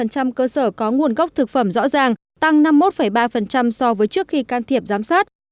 tám mươi năm năm cơ sở có nguồn gốc thực phẩm rõ ràng tăng năm mươi một ba so với trước khi can thiệp giám sát